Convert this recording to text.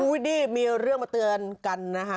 ดีมีเรื่องมาเตือนกันนะคะ